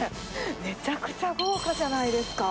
めちゃくちゃ豪華じゃないですか。